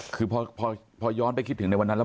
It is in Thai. คือพอย้อนไปคิดถึงในวันนั้นแล้ว